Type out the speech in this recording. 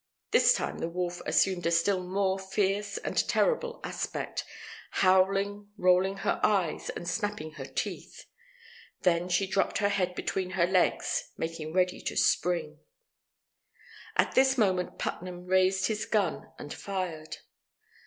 This time the wolf assumed a still more fierce and terrible aspect, howling, rolling her eyes, and snapping her teeth. Then she dropped her head between her legs making ready to spring. At this moment Putnam raised his gun and fired.